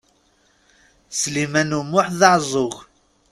Sliman U Muḥ d aɛeẓẓug.